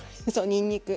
にんにく。